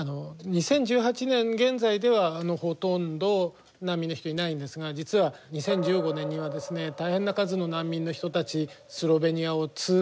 ２０１８年現在ではほとんど難民の人いないんですが実は２０１５年にはですね大変な数の難民の人たちスロベニアを通過しているんですね。